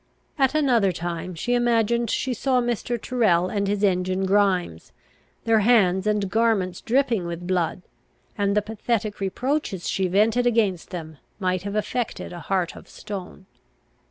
At another time she imagined she saw Mr. Tyrrel and his engine Grimes, their hands and garments dropping with blood: and the pathetic reproaches she vented against them might have affected a heart of stone.